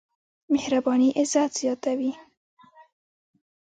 مهرباني عزت زياتوي.